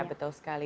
ya betul sekali